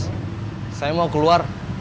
bos saya mau keluar